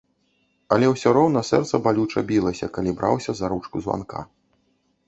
Але ўсё роўна сэрца балюча білася, калі браўся за ручку званка.